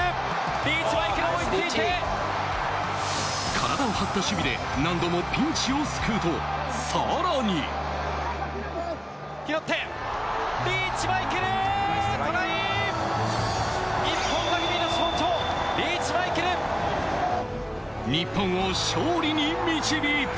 体を張った守備で、何度もピンチを救うと、さらに。日本を勝利に導いた！